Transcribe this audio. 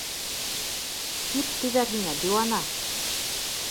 Кит тиҙәр һиңә, диуана!